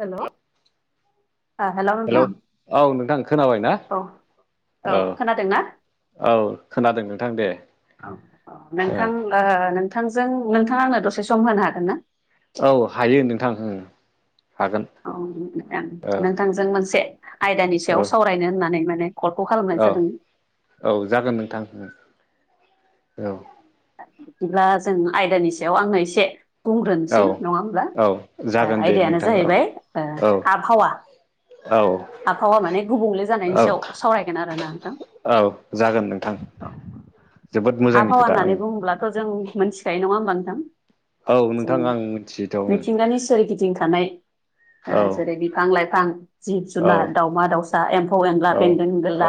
हेल' hello hello नोंथां औ नोंथां खोनाबाय ना औ औ खोनादोंना? औ खोनादों नोंथां दे नोंथां ओ नो नोंथांजों नोंथांआ‌‌ आंनो दसे सम होनो हागोन ना? औ हायो नोंथां ओ औ नोंथां नोंथांजों मोनसे आयदानि औ सायाव सावरायनो होननानै माने कलखौ खालामनाय औ जादों औ जागोन नोंथां औ बिदिब्ला जों आयदानि सायाव आंनो एसे औ बुंग्रोनोसै नंआ‌ होमब्ला औ ओ जागोन दे आयदायानो नोंथां औ जाहैबाय ओ औ आबहावा औ आबहावा माने गुबुंले जानायनि औ सायाव सावरायगोन आरोना नोंथां औ जागोन नोंथां जोबोद मोजांनि आबहावा खोथा ओं होननानै बुङोब्लाथ' जों मोनथिखायो नङा होमबा नोंथां औ नोंथां जों‌नि आं मिथियोथ' ओं मिथिंगानि सोरगिदिं थानाय औ ओ जेरै बिफां लाइफां जिब औ जुनार दाउमा दाउसा एम्फौ एनला औ बेंगोन औ गोलला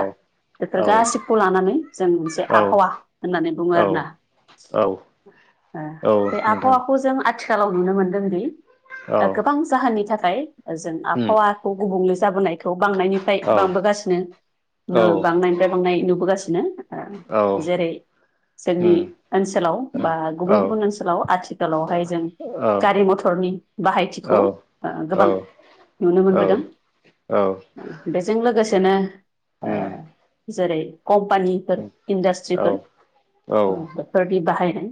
बेफोर गासिबखौ लानानै जों मोनसे आबहावा होननानै बुङो औ आरो ना औ आ औ बे नोंथां आबहावाखौ जों आथिखाआव नुनो मोनदों दि औ गोबां जाहोननि थाखाय जों उम आबहावाखौ गुबुंले जाबोनायखौ बांनायनिफ्राय बांबोगासिनो ओ औ बांनायनिफ्राय बांनाय नुबोगासिनो औ औ जेरै जोंनि उम ओनसोलाव औ बा औ गुबुन गुबुन ओनसोलाव आथिखालावहाय जों औ गारि मथरनि औ बाहायथिखौ ओ गोबां नुनो उम औ मोनबोदों औ बेजों लोगोसेनो ओ उम जेरै कम्पानिफोर औ इन्डास्ट्रिफोर ओ बेफोरनि बाहायनाय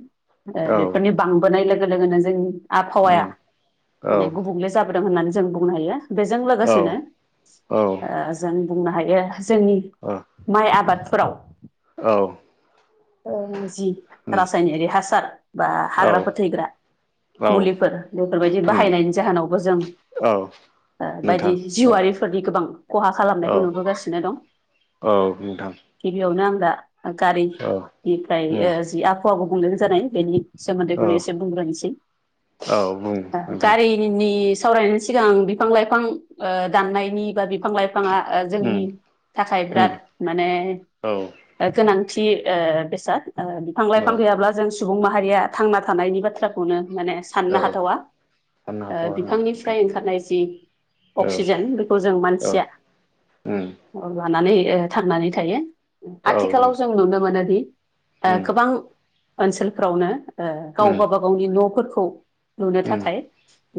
ओ औ बेफोरनि बांबोनाय लोगो लोगोनो जोंनि आबहावाया उम औ माने गुबुंले जाबो दों होननानै जों बुंनो हायो बेजों लोगोसेनो ओ जों बुंनो हायो जोंनि माइ आबादफोराव ओ जि रासायनारि हासार बा हाग्रा फोथैग्रा औ मुलिफोर बेफोरबायदि उम बाहायनायनि जाहोनावबो जों औ ओ नोंथां बायदि औ जिउआरिफोरनि गोबां खहा औ खालामनायखौ नुबोगासिनो दं औ नोंथां गिबियावनो आं दा औ गारिनिफ्राइ उम ओ जि आबहावा गुबुंग्ले जानाय बेनि औ सोमोन्दैखौनो एसे बुंग्रोनोसै औ बुं ओ नोंथां गारिनि सावरायनायनि सिगां बिफां लाइफां ओ दाननायनि बा बि फां लाइफांआ ओ उम जोंनि थाखाय उम बिराद माने औ गोनां थि ओ बेसाद ओ बिफां औ लाइफां गैयाब्ला जों सुबुं माहारिया थांना थानायनि बाथ्राखौनो माने साननो औ हाथावा साननो ओ हाथ'वा आङो नोंथां बिफांनिफ्राय ओंखारनाय जि औ अक्सिजेन बेखौ जों औ मानसिआ उम [unintelligible] ओ थांनानै थायो औ आथिखालाव नोंथां जों नुनो मोनोदि उम गोबां ओनसोलफ्रावनो ओ गाव उम गावबा गावनि न'फोरखौ लुनो उम थाखाय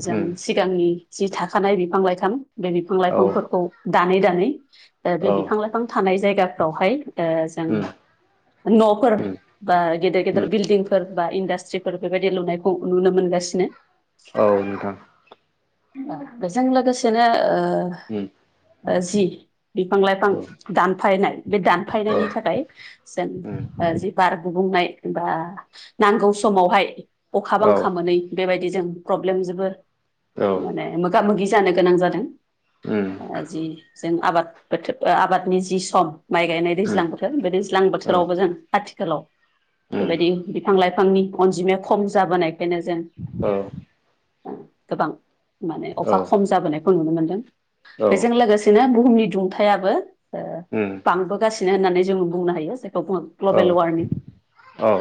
जों उम सिगांनि जि थाखानाय बिफां लाइफां बे बिफां औ लाइफांफोरखौ दानै दानै ओ औ बे बिफां लाइफां थानाय जायगाफ्रावहाय ओ जों उम न'फोर उम बा गेदेर-गेदेर उम बिल्डिंफोर बा इण्डास्ट्रिफोर बेबादि लुनायखौ नुनो मोनगासिनो औ नोंथां बेजों लोगोसेनो उम ओ जि बिफां लाइफां औ दानफायनाय बे औ दानफायनायनि थाखाय जों उम ओ जि बार गुबुंनाय बा नांगौ समावहाय अखा औ बांखा मोनै बेबाय दि जों प्र'ब्लेम जोबो औ माने मोगा मोगि जानो गोनां जादों उम ओ जि जों आबाद बोथोर आबादनि जि सम माइ गायनाय उम दैज्लां बोथोर बे दैज्लां औ बोथोरावबो जों आथिखालाव उम बेबायदि बिफां लाइ फांनि अनजिमाया खम जाबोनायखायनो जों औ अ गोबां माने अखा खम जाबोनायखौ नुनो मोनदों। औ बेजों लोगोसेनो बु हुमनि दुंथायाबो अ उम बांबोगासिनो होननानै जोङो बुंनो हायो जायखौ बुङो औ ग्ल'बेल वार्मिं औ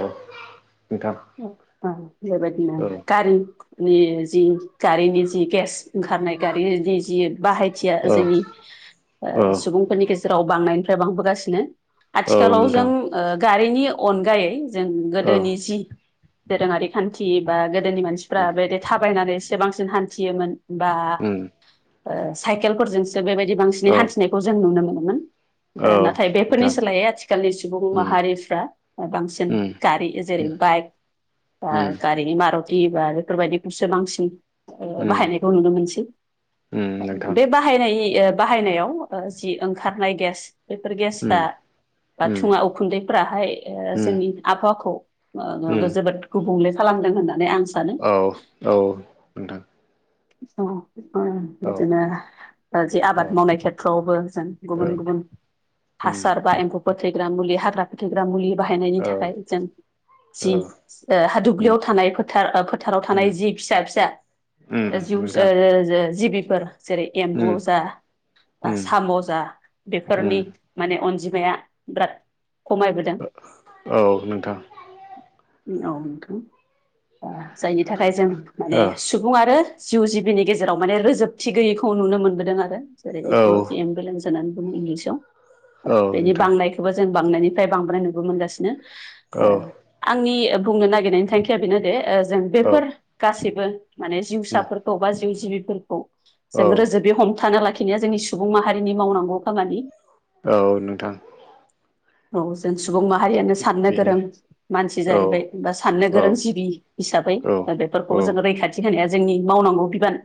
नोंथां उ अ जेबो नङा औ गारि नि जि गारिनि जि गेस ओंखारनाय गारिनि जि बाहायथिया जोंनि अ औ सुबुंफोरनि गेजेराव बांनायनिफ्राय बांबोगासिनो। आथिखालाव जों नोंथां अ गारिनि अनगायै जों औ गोदोनि जि दोरोङारि खान्थि बा गोदोनि उम मानसिफ्रा बेदि थाबायनानै एसे बांसिन हान्थियोमोन। बा उम औ अ साइकेलफोरजोंसो बेबायदि बांसिनै औ हान्थिनायखौ जों नुनो मोनोमोन। अ नाथाय बेफोरनि नोंथां सोलायै आथिखालनि सु बुं उम माहारिफ्रा बांसिन उम गारि जेरै- बाइक उम अ गारिनि मा रुति बा बेफोरबायदिफोरसो बांसिन अ उम बाहायनायखौ नुनो मोनसै उम नोंथां बे बाहायनायनि बाहायनायाव जि ओंखारनाय गेस बेफोर उम गेसा उम थुङा उखुन्दैफ्राहाय अ उम जोंनि आबहावाखौ अ उम जोबोद गुबुंले खालामदों होननानै आं सानो औ औ नोंथां अ अ औ औ बिदिनो जि आबाद मावनाय खेथ्रआवबो जों गुबुन- गुबुन उम हासार बा एम्फौ फोथैग्रा मुलि हाग्रा फोथैग्रा मुलि बाहायनायनि औ थाखाय जों जि औ अ हा उम दुब्लियाव थानाय फोथार-फोथाराव थानाय उम जि फिसा-फिसा उम जिउस अ नोंथां अ जे-जिबि फोर जेरै-एम्बु उम जा बा उम साम' जा उम बेफोरनि माने अनजि माया बिरात अ औ नोंथां। औ नोंथां ओ जायनि थाखाय जों माने ओ सुबुं आरो जिउ जिबिनि गेजेराव माने रोजोबथि गैयैखौ नुनो मोनबोदों आरो जेरै- औ इक'लजि इमबेलेन्स गोनां बुं इंलिसाव औ बेनि नोंथां। बांनायखौबो जों बांनायनिफ्राय बांबोनाय नुबो मोनगासिनो अ औ आंनि बुंनो नागिरनायनि थांखिया बेनोदि अ जों औ बेफोर गासैबो माने उम जिउसाफोरखौ बा जिउ जिबिफोरखौ जों औ रोजोब बे हमथाना लाखिनाया जोंनि सुबुं माहारिनि मावनांगौ खामानि। औ नोंथां औ जों सु बुं माहारियानो साननो बेनो गोरों मानसि औ जाहैबाय बा साननो औ गोरों जिबि हिसाबै औ ओ बे फोरखौ औ जोङो रैखाथि होनाया जोंनि मावनांगौ बिबान।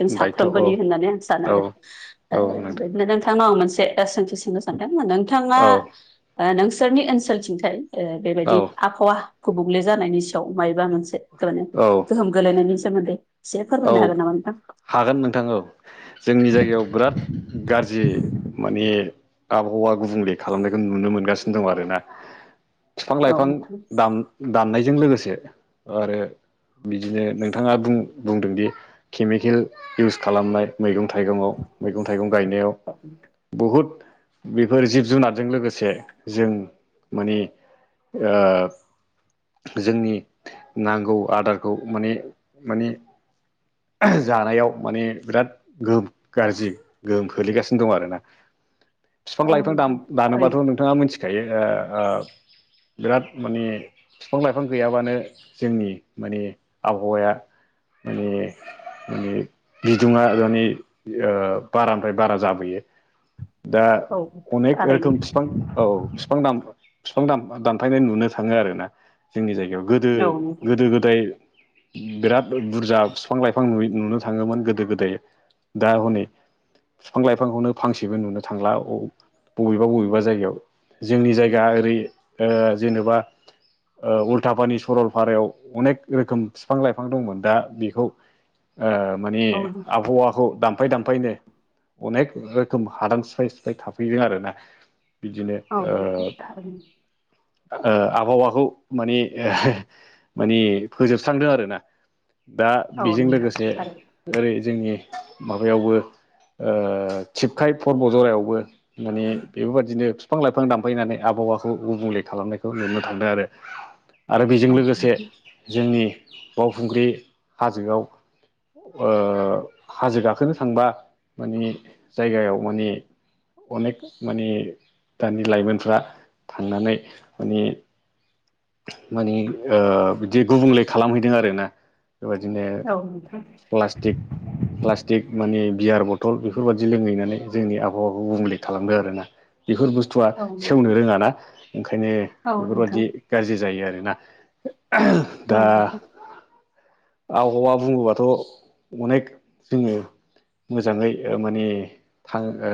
जों दायथ' औ साफ्रोमबोनि होननानै आं सानो औ आरो ओ औ नोंथां बेदिनो नोंथांनाव आं मोन से सोंथि सोंनो सानदों नोंथाङा औ अ नोंसोरनि ओनसोलथिंथाय ओ औ बेबायदि आबहावा गुबुंले जानायनि सायाव मायोबा मोनसे माने औ गोहोम गोलैनायनि सोमोन्दै एसे औ फोरमायनो हागोन नामा नोंथां? हागोन नोंथां औ जोंनि जायगायाव बिराद गाज्रि माने आबहावा गुबुंले खालामनायखौ नुनो मोनगासिनो दं आरोना। बिफां औ लाइफां दान दाननायजों लोगोसे आरो बिदिनो नोंथाङा बुं बुंदोंदि केमिकेल इउस खालामनाय मैगं थाइगंआव मैगं थाइगं गायनायाव बहुद बेफोर जिब जुनारजों लोगोसे जों माने ओ जोंनि नांगौ आदारखौ माने माने [inaudible] आह जानायाव माने बिराद गोहोम गाज्रि गोहोम खोलैगासिनो दं आरोना [inaudible] बिफां नोंथां औ लाइफां नोंथां दानोबाथ' थारैनो नोंथाङा मिथिखायो अ ओ बिराद माने बिफां लाइफां गैयाबानो जोंनि माने आबहावाया माने माने बिदुङा माने बारानिफ्राय आ बारा जाबोयो। दा औ अनेक रोखोम थारैनो बिफां औ बिफां दान बिफां दानफ-दानफायनाय नुनो थाङो आरोना जोंनि जायगायाव औ नोंथां गोदो-गोदो गोदाय बिराद बुरजा बिफां लाइफां नुयो नुनो थाङोमोन गोदो गोदाय दा हनै बिफां लाइफांखौनो फांसेबो नुनो थांला। बबेबा बबेबा जायगायाव जोंनि जायगा ओरै ओ जेनेबा ओ उल्थापानि सरलपारायाव अनेक रोखोम बिफां लाइफां दंमोन दा बेखौ ओ माने आबहावाखौ दामफाय दामफायनो अनेक रोखोम हादान सिफाय सिफाय थाफैदों आरोना बिदिनो औ ओ थारैनो ओ आबहावाखौ माने माने फोजोबस्रांदों आरोना। दा औ बेजों नोंथां लोगोसे थारैनो ओरै जोंनि माबायावबो ओ थिबखाय फर्ब जरायावबो माने बेफोरबायदिनो बिफां लाइफां दानफैनानै आबाद आबहावाखौ गुबुंले खालामनायखौ नुनो थांदों आरो। आरो बेजों लोगोसे जोंनि बावखुंग्रि हाजोआव ओ हाजो गाखोनो थांबा मानि जायगायाव माने अनेक माने दानि लाइमोनफ्रा थांनानै माने माने ओ बिदि गुबुंले खालामहैदों आरोना। बेबायदिनो औ नोंथां औ नोंथां औ नोंथां औ नोंथां औ नोंथां औ नोंथां औ नोंथां प्लास्टिक प्लास्टिक माने बियार बथल बेफोरबदि लोंहैनानै जोंनि आबहावाखौ गुबुंले खालामदों आरोना। बेफोर बुस्थुआ औ सेवनो रोङाना ओंखायनो बेफोरबायादि गाज्रि जायो आरोना ओह दा आबहावा बुङोबाथ' अनेक जोङो मोजाङै माने थां ओ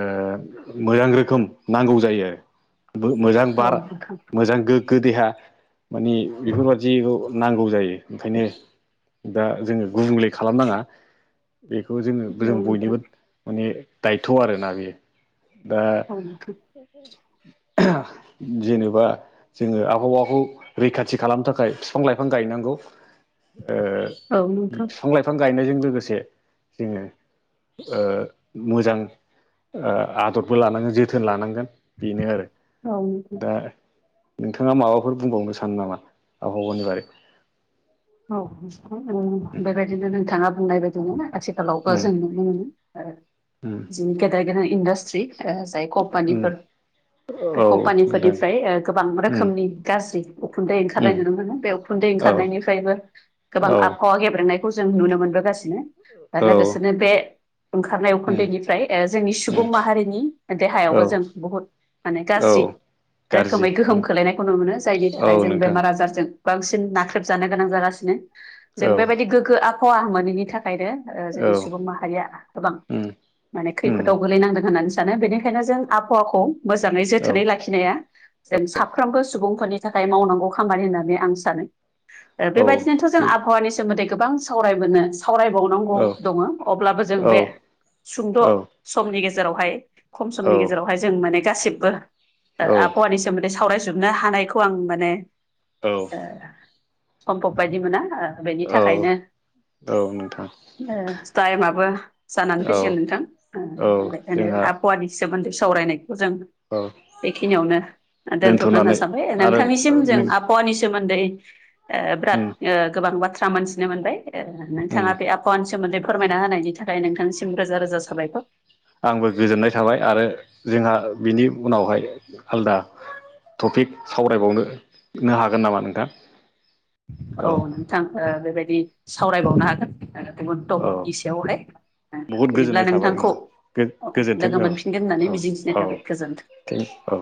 मोजां रोखोम नांगौ जायो आरो मोजां बार मोजां गोग्गो देहा माने बेफोरबादि नांगौ जायो ओंखायनो दा जोङो गुबुंले खालामनाङा बेखौ जोङो जों बयनिबो माने दायथ' आरोना बेयो दा जेनेबा जोङो आबहावाखौ रैखाथि खालामनो थाखाय बिफां लाइफां गायनांगौ। ओ औ नोंथ। बिफां लाइफां गायनायजों लोगोसे जोङो ओ मोजां ओ आदरबो लानांगोन जोथोन लानांगोन। बेनो आरो औ नोंथां दा नोंथाङा माबाफोर बुंबावनो सानो नामा आबहावानि बागै? औ बेबायदिनो नोंथाङा बुंनाय बायदिमोन आथिखालावबो उम जों नुनो मोनो। उम जोंनि गेदेर गोेदेर इन्डास्ट्रि ओ जाय उम कम्पानिफोर। बे औ नोंथां कम्पानिफोरनिफ्राय ओ गोबां उम रोखोमनि गाज्रि उखुन्दै ओंखारनाय उम नुनो मोनो बे उखुन्दै औ ओंखारनायनि फ्राय गोबां औ आबहावा गेब्रेंनायखौ जों नुनो मोनबोगासिनो दा औ लोगोसेनो बे ओंखारनाय उम उखुन्दैनिफ्राय ओ जोंनि सुबुं उम माहारिनि औ देहायावबो जों बुहुद माने औ गाज्रि गाज्रि रोखोमै गोहोम उम खोलायनायखौ नु मोनो जायनि औ थाखाय जों नोंथां बेमार आजारजों बांसिन नाख्रेबजानो गोनां जागासिनो जों औ बेबायदि गोग्गो आबहावा मोनैनि थाखाय खायनो ओ औ जोंनि सुबुं माहारिया गोबां उम माने उम खैफोदाव गोलैनांदों होननानै बेनिखायनो जों आबहावाखौ मोजाङै औ जोथोनै लाखिनाया जों साफ्रोमबो सुबुंफोरनि थाखाय मावनांगौ खामानि होननानै आं सानो। ओ औ बेबायदिनोथ' जों जिउ आबहावानि सोमोन्दै गोबां सावरायबोनो सावरायबावनांगौ औ दङो, अब्लाबो जों औ बे सुंद' औ समनि गेजेरावहाय खम समनि औ गेजेरावहाय जों माने गासिबो ओ औ आबहावानिसो माने सावराय जोबनो हानायखौ आं माने। औ। ओ सम्भब बायदि मोना ओ बेनि औ थाखायनो औ नोंथां। ओ टाइमाबो जानानै औ फैसिगोन नोंथां औ ओ जोंहा आबहावानि सोमोन्दै स जों औ बेखिनियावनो दोनथ'नो होनना दोनथ'नानै सानबाय आरो नोंथांनिसिम जों नों आबहावानि सोमोनदै दै ओ बिराद उम ओ गोबां बाथ्रा मोनथिनो मोनबाय ओ उम नोंथाङा बे आबहावानि सोमोन्दै फोरमायना होनायनि थाखाय नोंथांनिसिम रोजा रोजा साबायखर। आंबो गोजोननाय थाबाय आरो जोंहा बिनि उनावहाय आलदा टपिक सावरायबावनो हागोन नामा नोंथां? औ नोंथां ओ बेबायदि सावरायबावनो हागोन गुबुन औ टपिनि सायावहाय। बहुद गोजोननाय थाबाय। अ गो-गोजोन्थों लोगो औ मोनफिनगोन औ होननानै मिजिंथिनाय औ थाबाय थें गोजोन्थों। औ